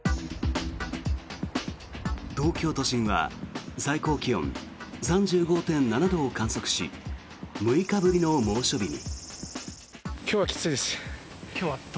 東京都心は最高気温３５．７度を観測し６日ぶりの猛暑日に。